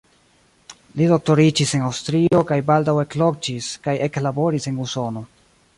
Li doktoriĝis en Aŭstrio kaj baldaŭ ekloĝis kaj eklaboris en Usono.